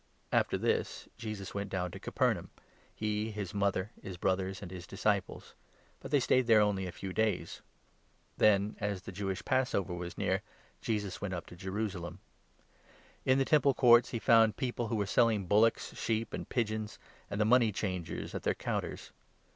j.«u.;,, After this, Jesus went down to Capernaum — 12 c«p«rnaum. he, his mother, his brothers, and his disciples ; but they stayed there only a few days. j««u« «t the Then, as the Jewish Passover was near, Jesus 13 Tompio in went up to Jerusalem. In the Temple Courts he 14 j«ruMi«m. found people who were selling bullocks, sheep, and pigeons, and the money changers at their counters.